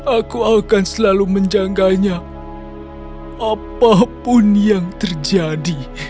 aku akan selalu menjanggainya apapun yang terjadi